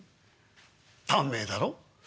短命だろ？」。